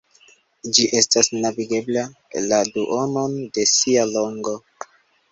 Ĝi estas navigebla la duonon de sia longo.